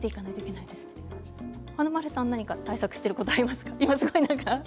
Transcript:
華丸さん何か対策していることありますか。